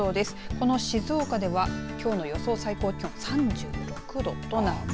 この静岡ではきょうの予想最高気温３６度となっています。